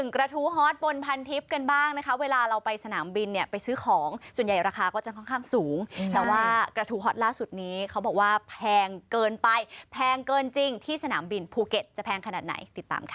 กระทู้ฮอตบนพันทิพย์กันบ้างนะคะเวลาเราไปสนามบินเนี่ยไปซื้อของส่วนใหญ่ราคาก็จะค่อนข้างสูงแต่ว่ากระทู้ฮอตล่าสุดนี้เขาบอกว่าแพงเกินไปแพงเกินจริงที่สนามบินภูเก็ตจะแพงขนาดไหนติดตามค่ะ